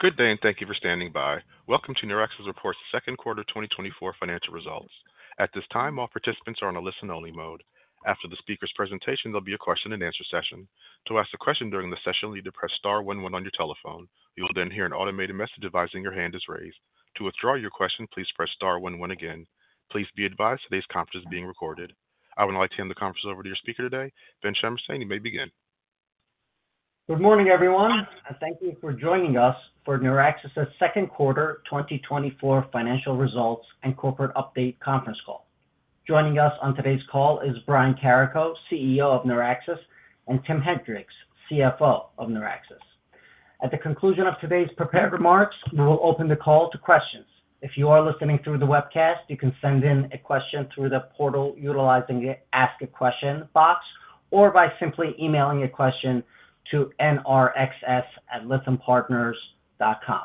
Good day, and thank you for standing by. Welcome to NeurAxis' second quarter 2024 financial results. At this time, all participants are on a listen-only mode. After the speaker's presentation, there'll be a question-and-answer session. To ask a question during the session, you need to press star one one on your telephone. You will then hear an automated message advising your hand is raised. To withdraw your question, please press star one one again. Please be advised today's conference is being recorded. I would now like to hand the conference over to your speaker today, Ben Shamsian. You may begin. Good morning, everyone, and thank you for joining us for NeurAxis' second quarter 2024 financial results and corporate update conference call. Joining us on today's call is Brian Carrico, CEO of NeurAxis, and Tim Henrichs, CFO of NeurAxis. At the conclusion of today's prepared remarks, we will open the call to questions. If you are listening through the webcast, you can send in a question through the portal utilizing the Ask a Question box, or by simply emailing your question to nrxs@lythampartners.com.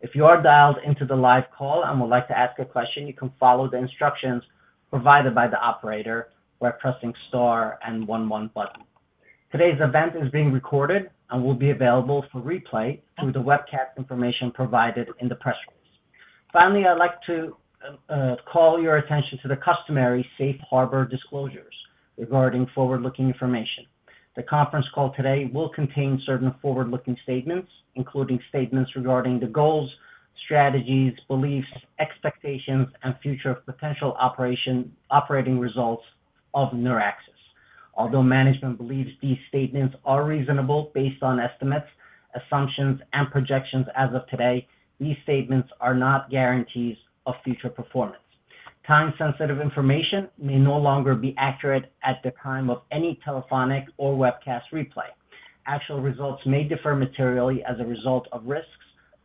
If you are dialed into the live call and would like to ask a question, you can follow the instructions provided by the operator by pressing star and one one button. Today's event is being recorded and will be available for replay through the webcast information provided in the press release. Finally, I'd like to call your attention to the customary safe harbor disclosures regarding forward-looking information. The conference call today will contain certain forward-looking statements, including statements regarding the goals, strategies, beliefs, expectations, and future potential operating results of NeurAxis. Although management believes these statements are reasonable based on estimates, assumptions, and projections as of today, these statements are not guarantees of future performance. Time-sensitive information may no longer be accurate at the time of any telephonic or webcast replay. Actual results may differ materially as a result of risks,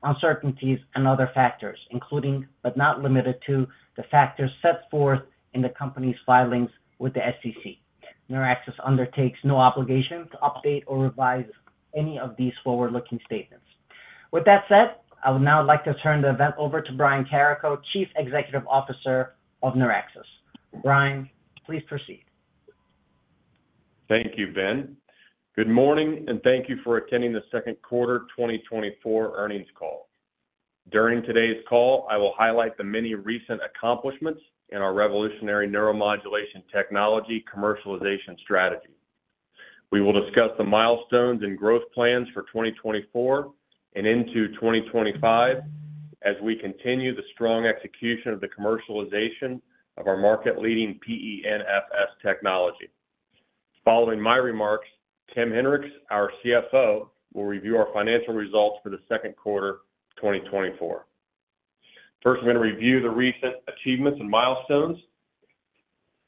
uncertainties, and other factors, including, but not limited to, the factors set forth in the company's filings with the SEC. NeurAxis undertakes no obligation to update or revise any of these forward-looking statements. With that said, I would now like to turn the event over to Brian Carrico, Chief Executive Officer of NeurAxis. Brian, please proceed. Thank you, Ben. Good morning, and thank you for attending the second quarter 2024 earnings call. During today's call, I will highlight the many recent accomplishments in our revolutionary neuromodulation technology commercialization strategy. We will discuss the milestones and growth plans for 2024 and into 2025 as we continue the strong execution of the commercialization of our market-leading PENFS technology. Following my remarks, Tim Henrichs, our CFO, will review our financial results for the second quarter 2024. First, I'm going to review the recent achievements and milestones.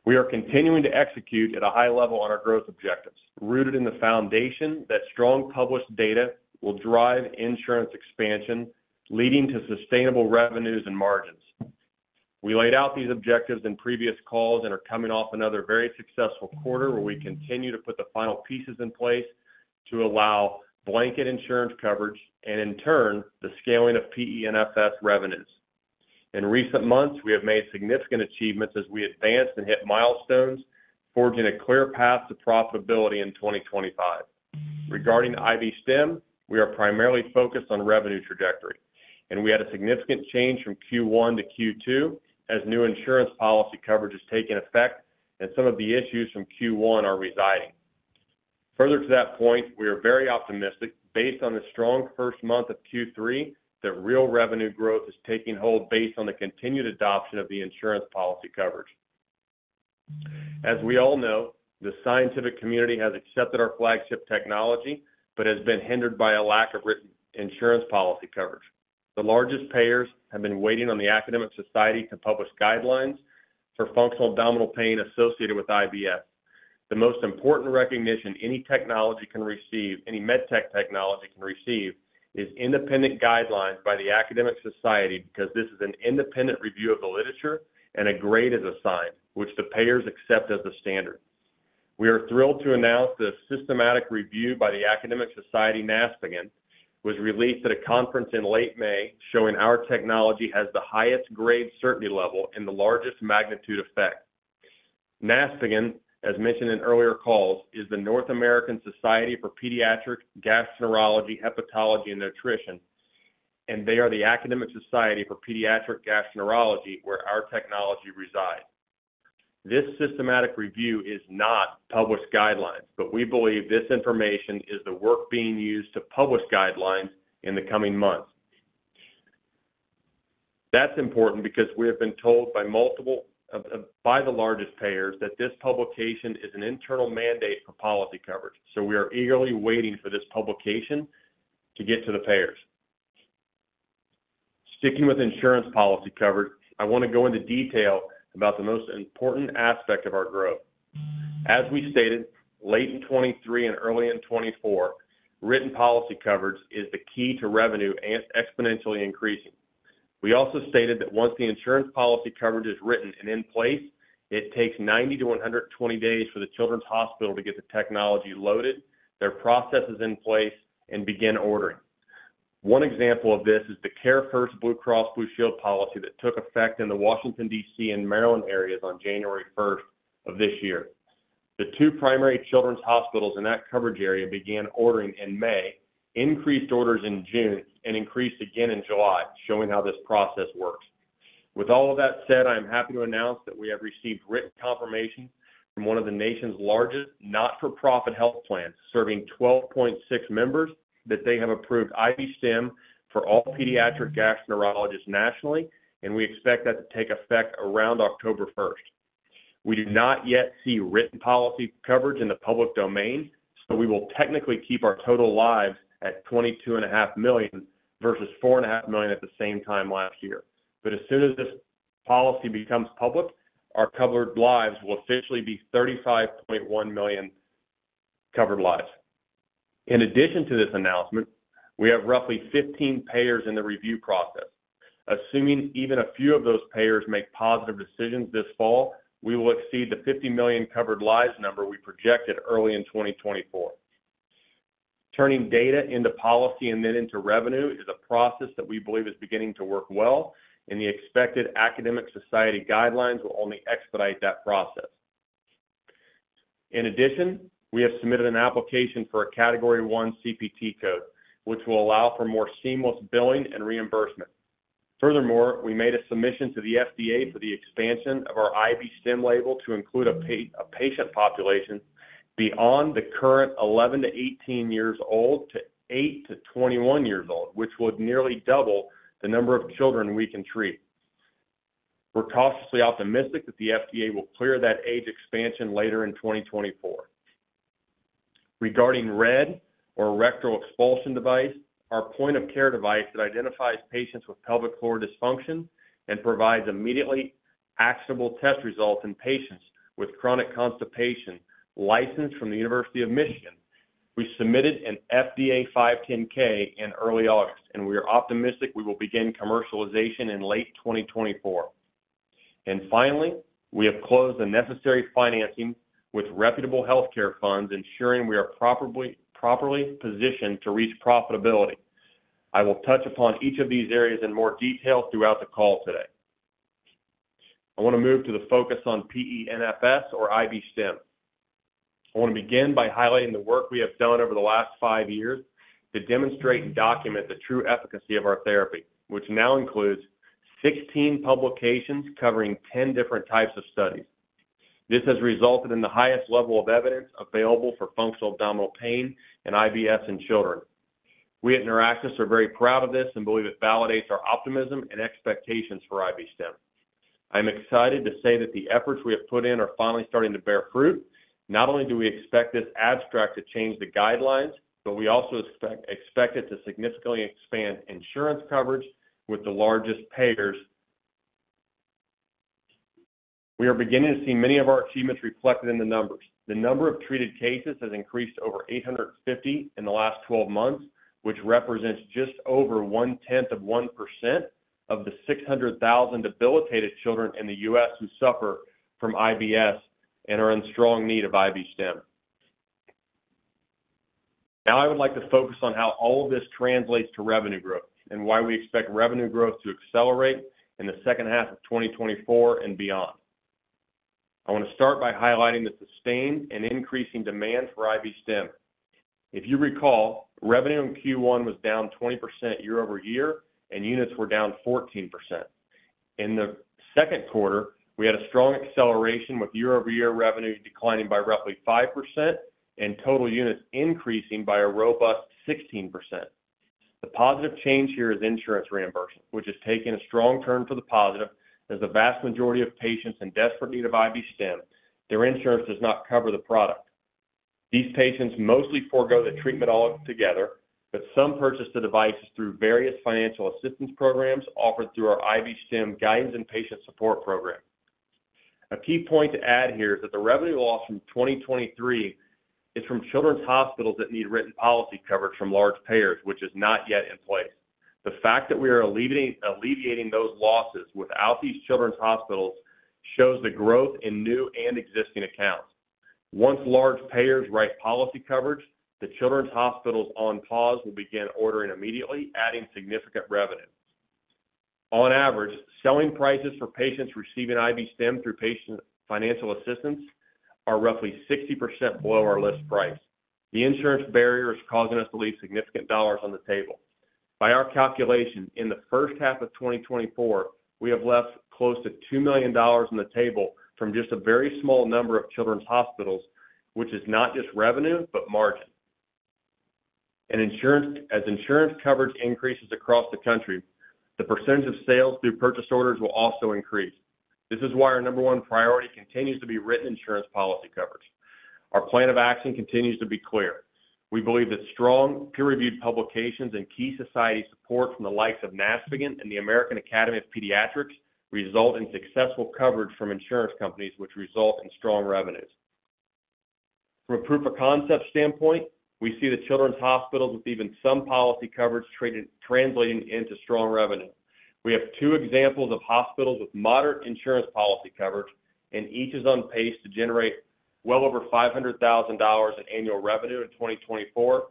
We are continuing to execute at a high level on our growth objectives, rooted in the foundation that strong published data will drive insurance expansion, leading to sustainable revenues and margins. We laid out these objectives in previous calls and are coming off another very successful quarter, where we continue to put the final pieces in place to allow blanket insurance coverage and, in turn, the scaling of PENFS revenues. In recent months, we have made significant achievements as we advanced and hit milestones, forging a clear path to profitability in 2025. Regarding IB-Stim, we are primarily focused on revenue trajectory, and we had a significant change from Q1 to Q2 as new insurance policy coverage has taken effect and some of the issues from Q1 are residing. Further to that point, we are very optimistic, based on the strong first month of Q3, that real revenue growth is taking hold based on the continued adoption of the insurance policy coverage. As we all know, the scientific community has accepted our flagship technology but has been hindered by a lack of written insurance policy coverage. The largest payers have been waiting on the academic society to publish guidelines for functional abdominal pain associated with IBS. The most important recognition any technology can receive, any med tech technology can receive, is independent guidelines by the academic society because this is an independent review of the literature and a grade is assigned, which the payers accept as the standard. We are thrilled to announce this systematic review by the academic society, NASPGHAN, was released at a conference in late May, showing our technology has the highest grade certainty level and the largest magnitude effect. NASPGHAN, as mentioned in earlier calls, is the North American Society for Pediatric Gastroenterology, Hepatology, and Nutrition, and they are the Academic Society for Pediatric Gastroenterology, where our technology resides. This systematic review is not published guidelines, but we believe this information is the work being used to publish guidelines in the coming months. That's important because we have been told by multiple by the largest payers that this publication is an internal mandate for policy coverage, so we are eagerly waiting for this publication to get to the payers. Sticking with insurance policy coverage, I want to go into detail about the most important aspect of our growth. As we stated, late in 2023 and early in 2024, written policy coverage is the key to revenue and exponentially increasing. We also stated that once the insurance policy coverage is written and in place, it takes 90-120 days for the children's hospital to get the technology loaded, their processes in place, and begin ordering. One example of this is the CareFirst BlueCross BlueShield policy that took effect in the Washington, D.C. and Maryland areas on January first of this year. The two primary children's hospitals in that coverage area began ordering in May, increased orders in June, and increased again in July, showing how this process works. With all of that said, I am happy to announce that we have received written confirmation from one of the nation's largest not-for-profit health plans, serving 12.6 million members, that they have approved IB-Stim for all pediatric gastroenterologists nationally, and we expect that to take effect around October 1st. We do not yet see written policy coverage in the public domain, so we will technically keep our total lives at 22.5 million, versus 4.5 million at the same time last year. But as soon as this policy becomes public, our covered lives will officially be 35.1 million covered lives. In addition to this announcement, we have roughly 15 payers in the review process. Assuming even a few of those payers make positive decisions this fall, we will exceed the 50 million covered lives number we projected early in 2024. Turning data into policy and then into revenue is a process that we believe is beginning to work well, and the expected academic society guidelines will only expedite that process. In addition, we have submitted an application for a Category I CPT code, which will allow for more seamless billing and reimbursement. Furthermore, we made a submission to the FDA for the expansion of our IB-Stim label to include a patient population beyond the current 11-18 years old, to 8-21 years old, which would nearly double the number of children we can treat. We're cautiously optimistic that the FDA will clear that age expansion later in 2024. Regarding RED, or rectal expulsion device, our point-of-care device that identifies patients with pelvic floor dysfunction and provides immediately actionable test results in patients with chronic constipation, licensed from the University of Michigan, we submitted a FDA 510(k) in early August, and we are optimistic we will begin commercialization in late 2024. Finally, we have closed the necessary financing with reputable healthcare funds, ensuring we are properly, properly positioned to reach profitability. I will touch upon each of these areas in more detail throughout the call today. I want to move to the focus on PENFS or IB-Stim. I want to begin by highlighting the work we have done over the last five years to demonstrate and document the true efficacy of our therapy, which now includes 16 publications covering 10 different types of studies. This has resulted in the highest level of evidence available for functional abdominal pain and IBS in children. We at NeurAxis are very proud of this and believe it validates our optimism and expectations for IB-Stim. I'm excited to say that the efforts we have put in are finally starting to bear fruit. Not only do we expect this abstract to change the guidelines, but we also expect it to significantly expand insurance coverage with the largest payers. We are beginning to see many of our achievements reflected in the numbers. The number of treated cases has increased over 850 in the last 12 months, which represents just over one-tenth of 1% of the 600,000 debilitated children in the U.S. who suffer from IBS and are in strong need of IB-Stim. Now, I would like to focus on how all of this translates to revenue growth and why we expect revenue growth to accelerate in the second half of 2024 and beyond. I want to start by highlighting the sustained and increasing demand for IB-Stim. If you recall, revenue in Q1 was down 20% year-over-year, and units were down 14%. In the second quarter, we had a strong acceleration, with year-over-year revenue declining by roughly 5% and total units increasing by a robust 16%. The positive change here is insurance reimbursement, which has taken a strong turn for the positive, as the vast majority of patients in desperate need of IB-Stim, their insurance does not cover the product. These patients mostly forgo the treatment altogether, but some purchase the devices through various financial assistance programs offered through our IB-Stim Guidance and Patient Support Program. A key point to add here is that the revenue loss from 2023 is from children's hospitals that need written policy coverage from large payers, which is not yet in place. The fact that we are alleviating those losses without these children's hospitals shows the growth in new and existing accounts. Once large payers write policy coverage, the children's hospitals on pause will begin ordering immediately, adding significant revenue. On average, selling prices for patients receiving IB-Stim through patient financial assistance are roughly 60% below our list price. The insurance barrier is causing us to leave significant dollars on the table. By our calculation, in the first half of 2024, we have left close to $2 million on the table from just a very small number of children's hospitals, which is not just revenue, but margin. Insurance, as insurance coverage increases across the country, the percentage of sales through purchase orders will also increase. This is why our number one priority continues to be written insurance policy coverage. Our plan of action continues to be clear. We believe that strong, peer-reviewed publications and key society support from the likes of NASPGHAN and the American Academy of Pediatrics result in successful coverage from insurance companies, which result in strong revenues. From a proof of concept standpoint, we see the children's hospitals with even some policy coverage traded, translating into strong revenue. We have two examples of hospitals with moderate insurance policy coverage, and each is on pace to generate well over $500,000 in annual revenue in 2024...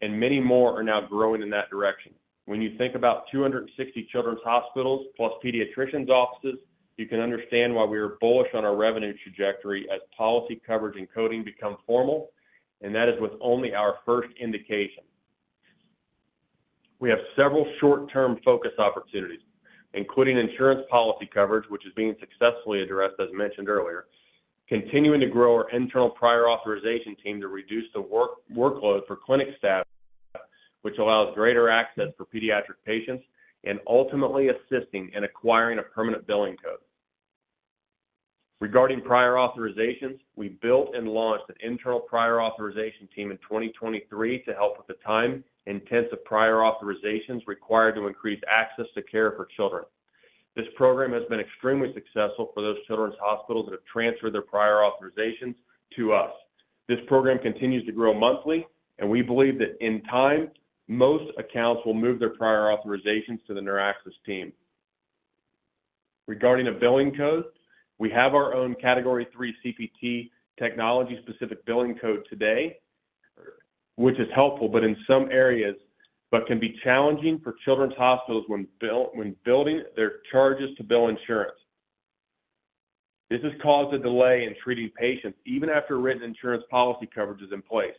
and many more are now growing in that direction. When you think about 260 children's hospitals plus pediatricians' offices, you can understand why we are bullish on our revenue trajectory as policy coverage and coding become formal, and that is with only our first indication. We have several short-term focus opportunities, including insurance policy coverage, which is being successfully addressed, as mentioned earlier, continuing to grow our internal prior authorization team to reduce the workload for clinic staff, which allows greater access for pediatric patients, and ultimately assisting in acquiring a permanent billing code. Regarding prior authorizations, we built and launched an internal prior authorization team in 2023 to help with the time intensive prior authorizations required to increase access to care for children. This program has been extremely successful for those children's hospitals that have transferred their prior authorizations to us. This program continues to grow monthly, and we believe that in time, most accounts will move their prior authorizations to the NeurAxis team. Regarding a billing code, we have our own Category III CPT technology-specific billing code today, which is helpful, but in some areas, but can be challenging for children's hospitals when building their charges to bill insurance. This has caused a delay in treating patients even after a written insurance policy coverage is in place.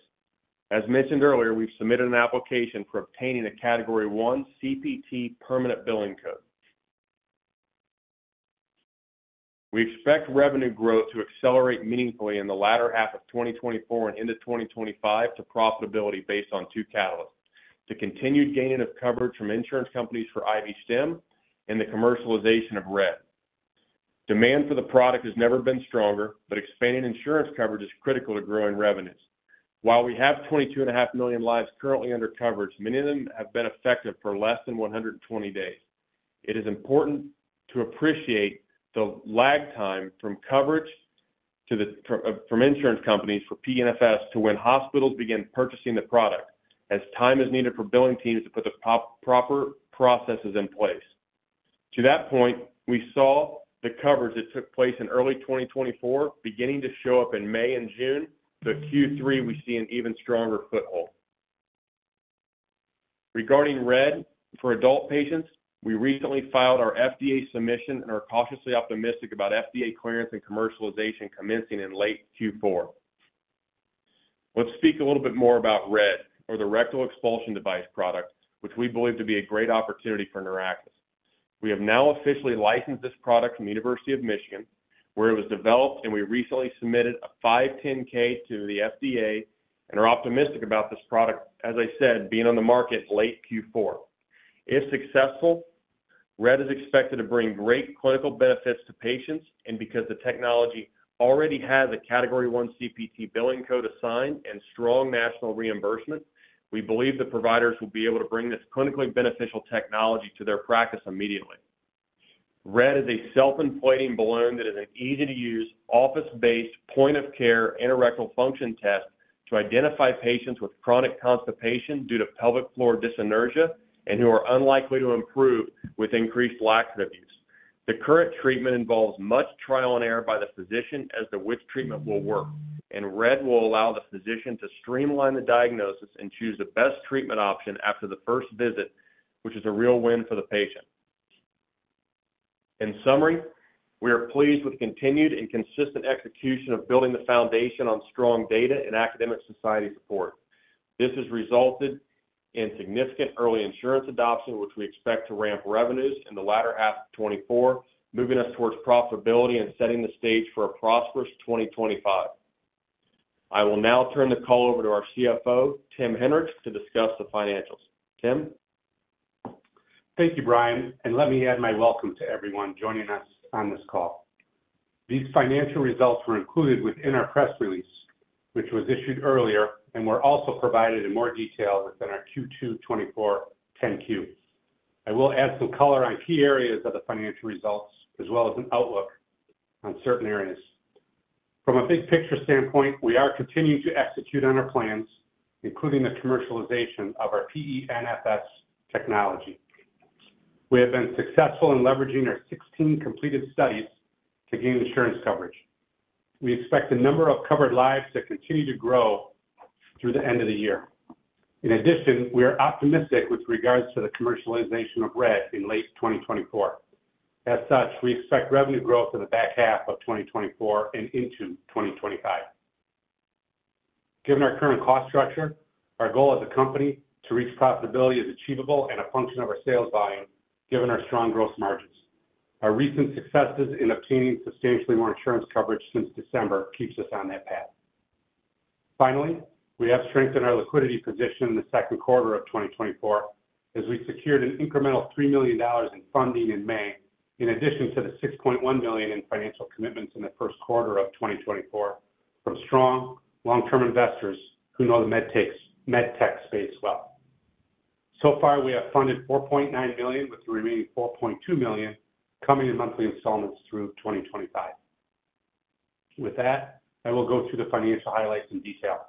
As mentioned earlier, we've submitted an application for obtaining a Category I CPT permanent billing code. We expect revenue growth to accelerate meaningfully in the latter half of 2024 and into 2025 to profitability based on two catalysts: the continued gain of coverage from insurance companies for IB-Stim and the commercialization of RED. Demand for the product has never been stronger, but expanding insurance coverage is critical to growing revenues. While we have 22.5 million lives currently under coverage, many of them have been effective for less than 120 days. It is important to appreciate the lag time from coverage to insurance companies for PENFS to when hospitals begin purchasing the product, as time is needed for billing teams to put the proper processes in place. To that point, we saw the coverage that took place in early 2024, beginning to show up in May and June, but Q3, we see an even stronger foothold. Regarding RED for adult patients, we recently filed our FDA submission and are cautiously optimistic about FDA clearance and commercialization commencing in late Q4. Let's speak a little bit more about RED, or the Rectal Expulsion Device product, which we believe to be a great opportunity for NeurAxis. We have now officially licensed this product from the University of Michigan, where it was developed, and we recently submitted a 510(k) to the FDA and are optimistic about this product, as I said, being on the market late Q4. If successful, RED is expected to bring great clinical benefits to patients, and because the technology already has a Category I CPT billing code assigned and strong national reimbursement, we believe the providers will be able to bring this clinically beneficial technology to their practice immediately. RED is a self-inflating balloon that is an easy-to-use, office-based, point-of-care, anorectal function test to identify patients with chronic constipation due to pelvic floor dyssynergia and who are unlikely to improve with increased laxative use. The current treatment involves much trial and error by the physician as to which treatment will work, and RED will allow the physician to streamline the diagnosis and choose the best treatment option after the first visit, which is a real win for the patient. In summary, we are pleased with the continued and consistent execution of building the foundation on strong data and academic society support. This has resulted in significant early insurance adoption, which we expect to ramp revenues in the latter half of 2024, moving us towards profitability and setting the stage for a prosperous 2025. I will now turn the call over to our CFO, Tim Henrichs, to discuss the financials. Tim? Thank you, Brian, and let me add my welcome to everyone joining us on this call. These financial results were included within our press release, which was issued earlier, and were also provided in more detail within our Q2 2024 10-Q. I will add some color on key areas of the financial results, as well as an outlook on certain areas. From a big picture standpoint, we are continuing to execute on our plans, including the commercialization of our PENFS technology. We have been successful in leveraging our 16 completed studies to gain insurance coverage. We expect the number of covered lives to continue to grow through the end of the year. In addition, we are optimistic with regards to the commercialization of RED in late 2024. As such, we expect revenue growth in the back half of 2024 and into 2025. Given our current cost structure, our goal as a company to reach profitability is achievable and a function of our sales volume, given our strong gross margins. Our recent successes in obtaining substantially more insurance coverage since December keeps us on that path. Finally, we have strengthened our liquidity position in the second quarter of 2024 as we secured an incremental $3 million in funding in May, in addition to the $6.1 million in financial commitments in the first quarter of 2024 from strong long-term investors who know the medtech space well. So far, we have funded $4.9 million, with the remaining $4.2 million coming in monthly installments through 2025. With that, I will go through the financial highlights in detail.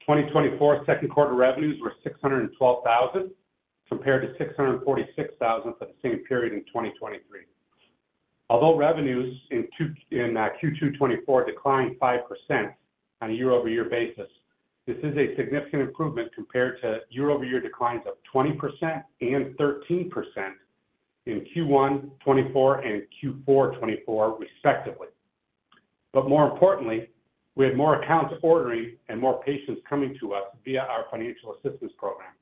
2024 second quarter revenues were $612,000, compared to $646,000 for the same period in 2023. Although revenues in Q2 2024 declined 5% on a year-over-year basis, this is a significant improvement compared to year-over-year declines of 20% and 13% in Q1 2024 and Q4 2024, respectively. But more importantly, we had more accounts ordering and more patients coming to us via our financial assistance program.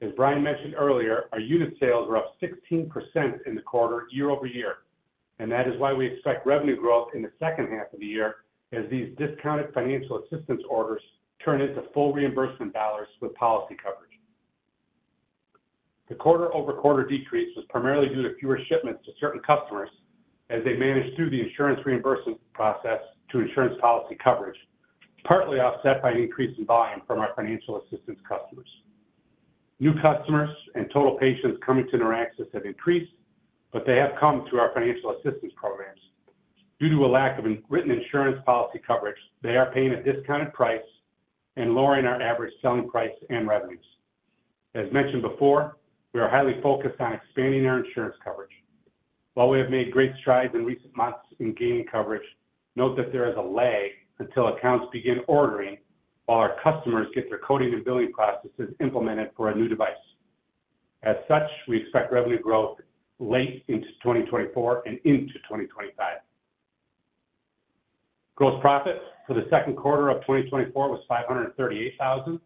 As Brian mentioned earlier, our unit sales were up 16% in the quarter year-over-year, and that is why we expect revenue growth in the second half of the year as these discounted financial assistance orders turn into full reimbursement dollars with policy coverage. The quarter-over-quarter decrease was primarily due to fewer shipments to certain customers as they managed through the insurance reimbursement process to insurance policy coverage, partly offset by an increase in volume from our financial assistance customers. New customers and total patients coming to NeurAxis have increased, but they have come through our financial assistance programs. Due to a lack of written insurance policy coverage, they are paying a discounted price and lowering our average selling price and revenues. As mentioned before, we are highly focused on expanding our insurance coverage. While we have made great strides in recent months in gaining coverage, note that there is a lag until accounts begin ordering while our customers get their coding and billing processes implemented for a new device. As such, we expect revenue growth late into 2024 and into 2025. Gross profit for the second quarter of 2024 was $538,000,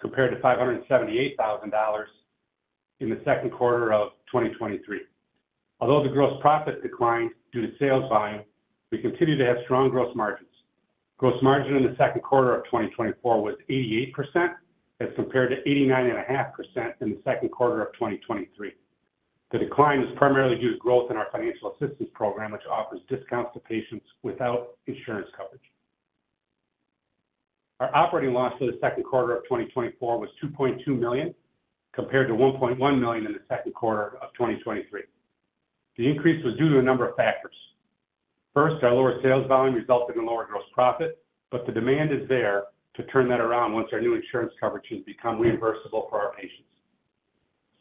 compared to $578,000 in the second quarter of 2023. Although the gross profit declined due to sales volume, we continue to have strong gross margins. Gross margin in the second quarter of 2024 was 88%, as compared to 89.5% in the second quarter of 2023. The decline is primarily due to growth in our financial assistance program, which offers discounts to patients without insurance coverage. Our operating loss for the second quarter of 2024 was $2.2 million, compared to $1.1 million in the second quarter of 2023. The increase was due to a number of factors. First, our lower sales volume resulted in a lower gross profit, but the demand is there to turn that around once our new insurance coverages become reimbursable for our patients.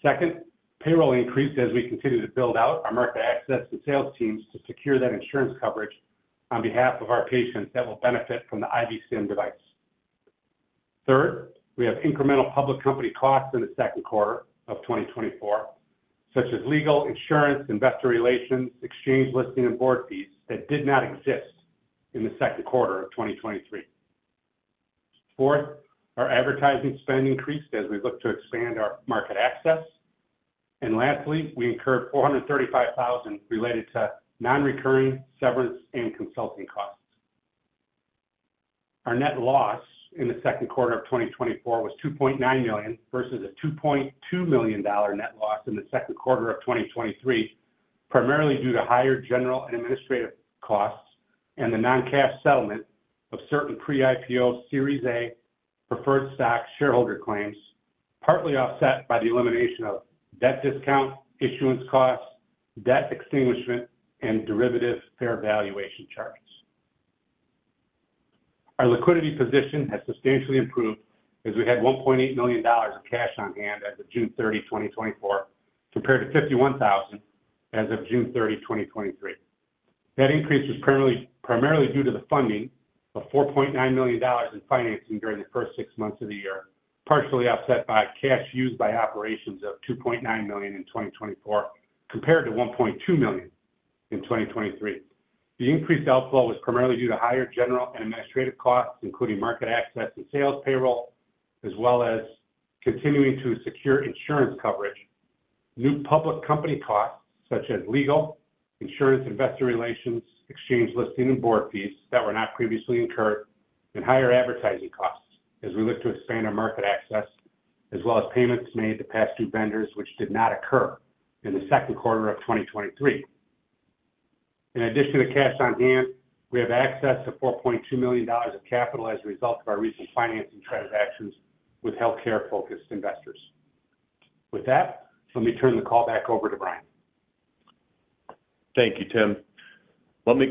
Second, payroll increased as we continue to build out our market access and sales teams to secure that insurance coverage on behalf of our patients that will benefit from the IB-Stim device. Third, we have incremental public company costs in the second quarter of 2024, such as legal, insurance, investor relations, exchange listing, and board fees that did not exist in the second quarter of 2023. Fourth, our advertising spend increased as we look to expand our market access. And lastly, we incurred $435,000 related to nonrecurring severance and consulting costs. Our net loss in the second quarter of 2024 was $2.9 million, versus a $2.2 million net loss in the second quarter of 2023, primarily due to higher general and administrative costs and the non-cash settlement of certain pre-IPO Series A preferred stock shareholder claims, partly offset by the elimination of debt discount, issuance costs, debt extinguishment, and derivative fair valuation charges. Our liquidity position has substantially improved as we had $1.8 million of cash on hand as of June 30, 2024, compared to $51,000 as of June 30, 2023. That increase was primarily due to the funding of $4.9 million in financing during the first six months of the year, partially offset by cash used by operations of $2.9 million in 2024, compared to $1.2 million in 2023. The increased outflow was primarily due to higher general and administrative costs, including market access and sales payroll, as well as continuing to secure insurance coverage, new public company costs, such as legal, insurance, investor relations, exchange listing and board fees that were not previously incurred, and higher advertising costs as we look to expand our market access, as well as payments made to past due vendors, which did not occur in the second quarter of 2023. In addition to cash on hand, we have access to $4.2 million of capital as a result of our recent financing transactions with healthcare-focused investors. With that, let me turn the call back over to Brian. Thank you, Tim. Let me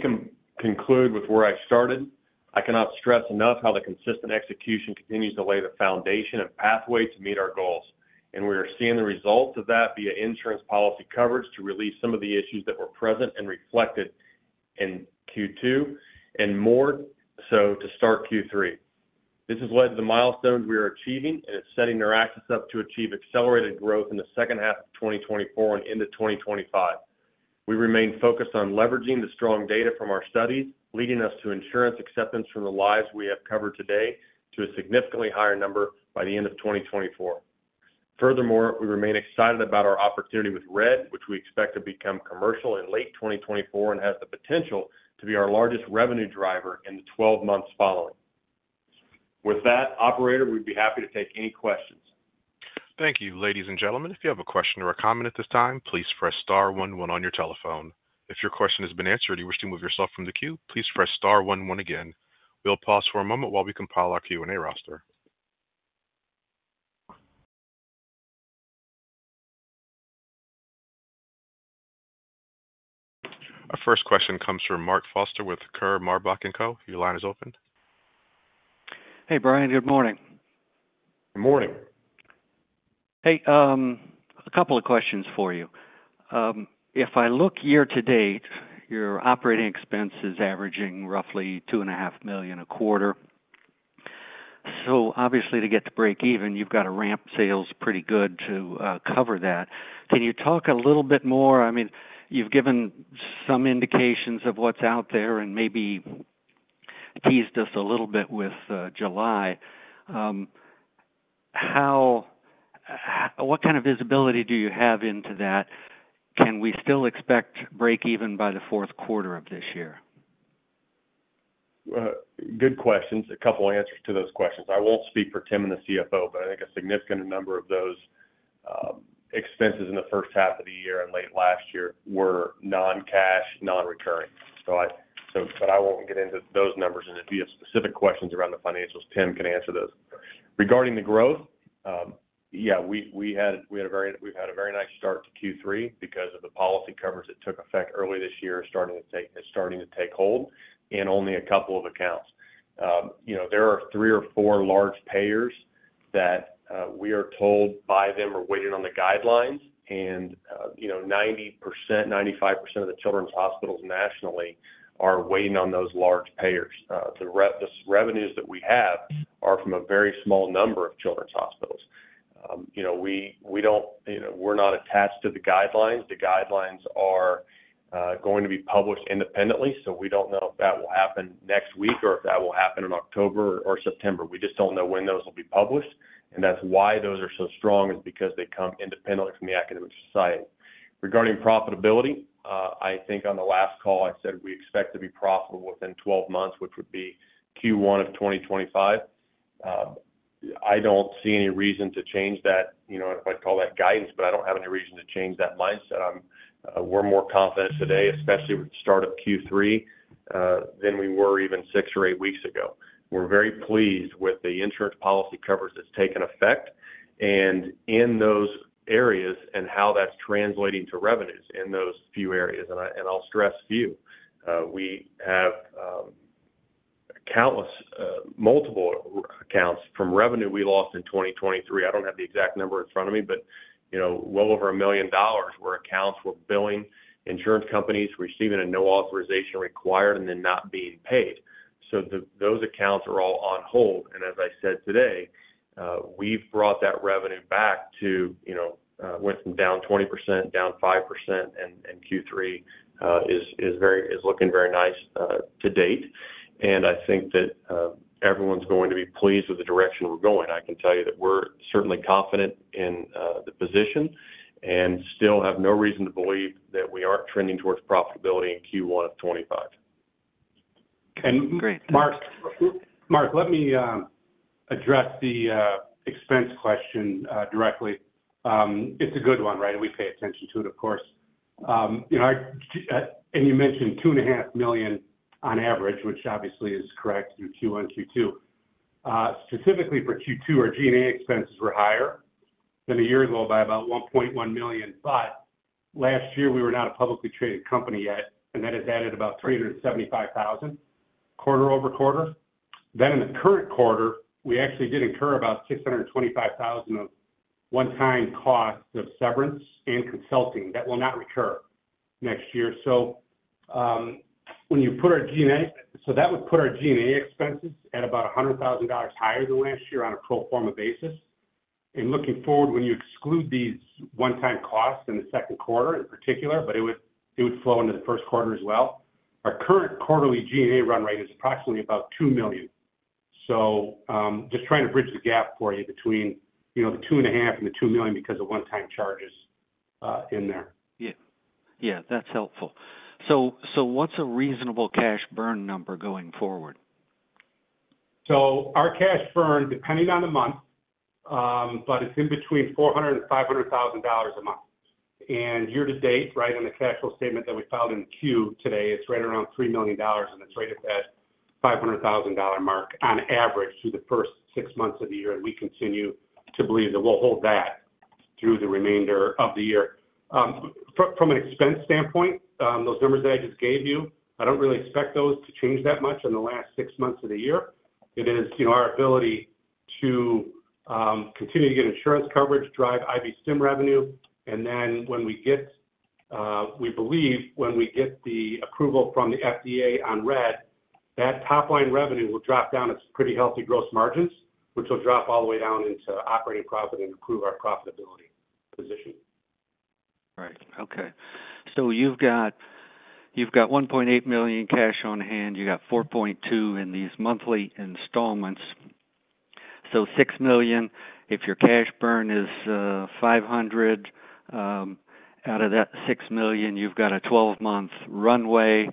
conclude with where I started. I cannot stress enough how the consistent execution continues to lay the foundation and pathway to meet our goals, and we are seeing the results of that via insurance policy coverage to release some of the issues that were present and reflected in Q2, and more so to start Q3. This has led to the milestones we are achieving, and it's setting NeurAxis up to achieve accelerated growth in the second half of 2024 and into 2025. We remain focused on leveraging the strong data from our studies, leading us to insurance acceptance from the lives we have covered today to a significantly higher number by the end of 2024. Furthermore, we remain excited about our opportunity with RED, which we expect to become commercial in late 2024 and has the potential to be our largest revenue driver in the 12 months following. With that, operator, we'd be happy to take any questions. Thank you, ladies and gentlemen. If you have a question or a comment at this time, please press star one one on your telephone. If your question has been answered, and you wish to move yourself from the queue, please press star one one again. We'll pause for a moment while we compile our Q&A roster. Our first question comes from Mark Foster with Kirr, Marbach and Co. Your line is open. Hey, Brian, good morning. Good morning. Hey, a couple of questions for you. If I look year to date, your operating expense is averaging roughly $2.5 million a quarter. So obviously, to get to breakeven, you've got to ramp sales pretty good to cover that. Can you talk a little bit more? I mean, you've given some indications of what's out there and maybe teased us a little bit with July. How? What kind of visibility do you have into that? Can we still expect breakeven by the fourth quarter of this year? Good questions. A couple of answers to those questions. I won't speak for Tim and the CFO, but I think a significant number of those expenses in the first half of the year and late last year were non-cash, non-recurring. So, but I won't get into those numbers, and if you have specific questions around the financials, Tim can answer those. Regarding the growth, yeah, we've had a very nice start to Q3 because of the policy coverage that took effect early this year. It's starting to take hold in only a couple of accounts. You know, there are three or four large payers that we are told by them are waiting on the guidelines. And, you know, 90%, 95% of the children's hospitals nationally are waiting on those large payers. The revenues that we have are from a very small number of children's hospitals. You know, we don't, you know, we're not attached to the guidelines. The guidelines are going to be published independently, so we don't know if that will happen next week or if that will happen in October or September. We just don't know when those will be published, and that's why those are so strong, is because they come independently from the academic society. Regarding profitability, I think on the last call, I said we expect to be profitable within 12 months, which would be Q1 of 2025. I don't see any reason to change that, you know, if I'd call that guidance, but I don't have any reason to change that mindset. We're more confident today, especially with the start of Q3, than we were even six or eight weeks ago. We're very pleased with the insurance policy coverage that's taken effect, and in those areas, and how that's translating to revenues in those few areas, and I'll stress few. We have countless multiple accounts from revenue we lost in 2023. I don't have the exact number in front of me, but, you know, well over $1 million were accounts, were billing insurance companies, receiving a no authorization required and then not being paid. So those accounts are all on hold. And as I said today, we've brought that revenue back to, you know, went from down 20%, down 5%, and Q3 is looking very nice to date. And I think that everyone's going to be pleased with the direction we're going. I can tell you that we're certainly confident in the position and still have no reason to believe that we aren't trending towards profitability in Q1 of 2025. Great. And Mark, Mark, let me address the expense question directly. It's a good one, right? And we pay attention to it, of course. You know, and you mentioned $2.5 million on average, which obviously is correct, through Q1, Q2. Specifically for Q2, our G&A expenses were higher than a year ago by about $1.1 million, but last year we were not a publicly traded company yet, and that has added about $375,000 quarter-over-quarter. Then in the current quarter, we actually did incur about $625,000 of one-time costs of severance and consulting. That will not recur next year. So, when you put our G&A... So that would put our G&A expenses at about $100,000 higher than last year on a pro forma basis. Looking forward, when you exclude these one-time costs in the second quarter, in particular, but it would, it would flow into the first quarter as well. Our current quarterly G&A run rate is approximately about $2 million. Just trying to bridge the gap for you between, you know, the $2.5 million and the $2 million because of one-time charges in there. Yeah. Yeah, that's helpful. So, so what's a reasonable cash burn number going forward? So our cash burn, depending on the month, but it's in between $400,000 and $500,000 a month. Year to date, right on the cash flow statement that we filed in our 10-Q today, it's right around $3 million, and it's right at that $500,000 mark on average through the first six months of the year. We continue to believe that we'll hold that through the remainder of the year. From an expense standpoint, those numbers that I just gave you, I don't really expect those to change that much in the last six months of the year. It is, you know, our ability to continue to get insurance coverage, drive IB-Stim revenue, and then when we get, we believe when we get the approval from the FDA on RED, that top-line revenue will drop down it's pretty healthy gross margins, which will drop all the way down into operating profit and improve our profitability position. Right. Okay. So you've got, you've got $1.8 million cash on hand, you got $4.2 million in these monthly installments. So $6 million, if your cash burn is $500,000, out of that $6 million, you've got a 12-month runway.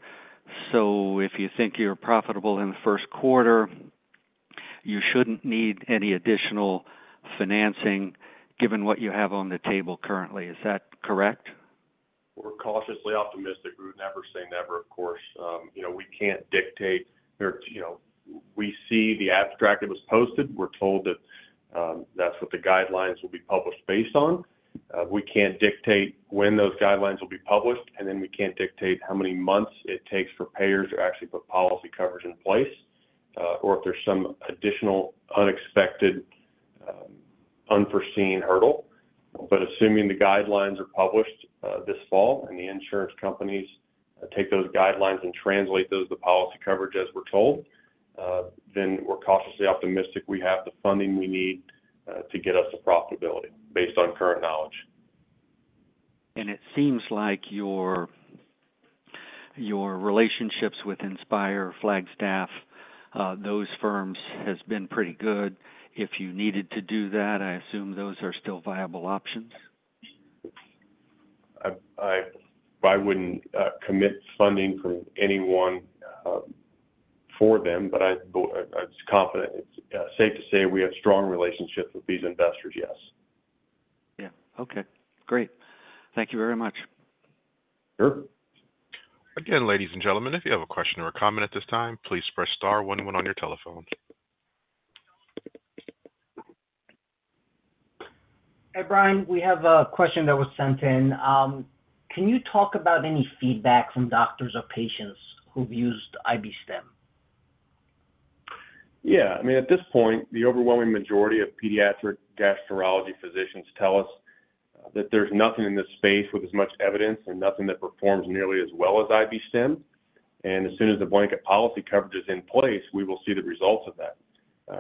So if you think you're profitable in the first quarter, you shouldn't need any additional financing, given what you have on the table currently. Is that correct? We're cautiously optimistic. We would never say never, of course. You know, we can't dictate or, you know, we see the abstract that was posted. We're told that, that's what the guidelines will be published based on. We can't dictate when those guidelines will be published, and then we can't dictate how many months it takes for payers to actually put policy coverage in place, or if there's some additional unexpected, unforeseen hurdle. But assuming the guidelines are published, this fall, and the insurance companies take those guidelines and translate those to policy coverage, as we're told, then we're cautiously optimistic we have the funding we need, to get us to profitability based on current knowledge. It seems like your relationships with Inspire, Flagstaff, those firms has been pretty good. If you needed to do that, I assume those are still viable options? I wouldn't commit funding from anyone for them, but it's confident. It's safe to say we have strong relationships with these investors. Yes. Yeah. Okay, great. Thank you very much. Sure. Again, ladies and gentlemen, if you have a question or a comment at this time, please press star one one on your telephone. Hey, Brian, we have a question that was sent in. Can you talk about any feedback from doctors or patients who've used IB-Stim? Yeah. I mean, at this point, the overwhelming majority of pediatric gastroenterology physicians tell us that there's nothing in this space with as much evidence and nothing that performs nearly as well as IB-Stim. And as soon as the blanket policy coverage is in place, we will see the results of that.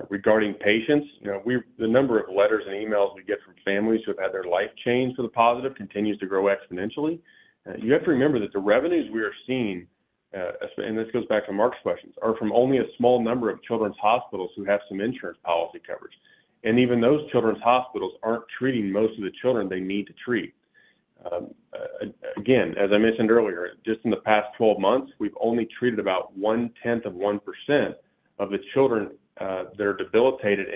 Regarding patients, you know, we've the number of letters and emails we get from families who have had their life changed for the positive continues to grow exponentially. You have to remember that the revenues we are seeing, and this goes back to Mark's questions, are from only a small number of children's hospitals who have some insurance policy coverage. And even those children's hospitals aren't treating most of the children they need to treat. Again, as I mentioned earlier, just in the past 12 months, we've only treated about 0.1% of the children that are debilitated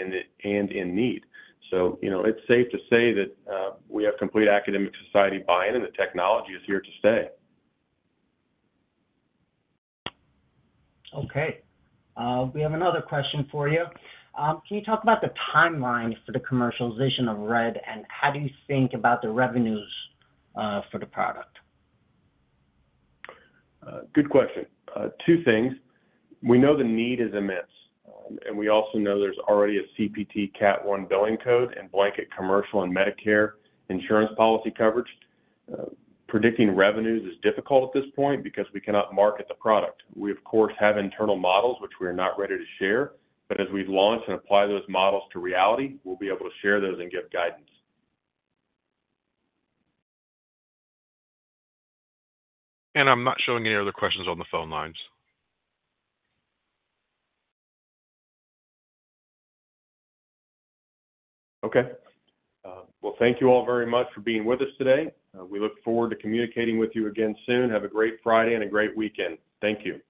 and in need. So, you know, it's safe to say that we have complete academic society buy-in, and the technology is here to stay. Okay. We have another question for you. Can you talk about the timeline for the commercialization of RED, and how do you think about the revenues for the product? Good question. Two things. We know the need is immense, and we also know there's already a Category I CPT code and blanket commercial and Medicare insurance policy coverage. Predicting revenues is difficult at this point because we cannot market the product. We, of course, have internal models, which we are not ready to share, but as we launch and apply those models to reality, we'll be able to share those and give guidance. I'm not showing any other questions on the phone lines. Okay. Well, thank you all very much for being with us today. We look forward to communicating with you again soon. Have a great Friday and a great weekend. Thank you.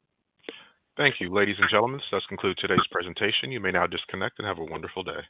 Thank you. Ladies and gentlemen, this does conclude today's presentation. You may now disconnect and have a wonderful day.